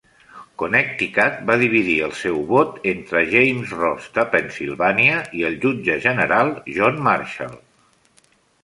Connecticut va dividir el seu vot entre James Ross de Pennsilvània i el jutge general John Marshall.